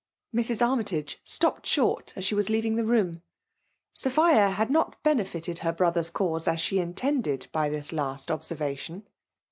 Mrs. Armytage stopped short as sbe was kaving the room. Sophia had not benefited her brother's cause as she intended by this last observation.